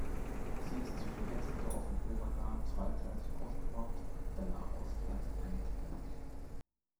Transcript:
Sie ist zwischen Hetzendorf und Oberlaa zweigleisig ausgebaut, danach ostwärts eingleisig.